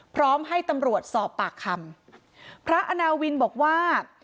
พร้อมให้ตำรวจสอบปากคำพระอาณาวินบอกว่า